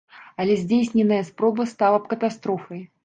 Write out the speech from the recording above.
Але здзейсненая спроба стала б катастрофай.